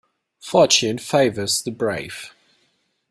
Fortune favours the brave.